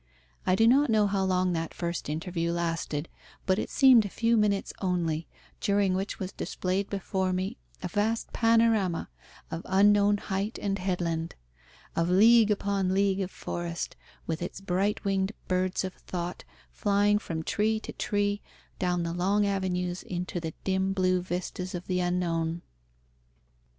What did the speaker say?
I do not know how long that first interview lasted, but it seemed a few minutes only, during which was displayed before me a vast panorama of unknown height and headland, of league upon league of forest, with its bright winged birds of thought flying from tree to tree down the long avenues into the dim blue vistas of the unknown.